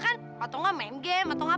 atau bermain permainan